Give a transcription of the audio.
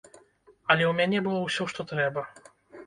Але ў мяне было ўсё, што трэба.